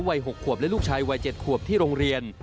วัย๖ขวบและลูกชายวัย๗ขวบที่โรงเรียน